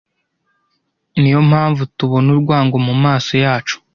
niyo mpamvu tubona urwango mumaso yacu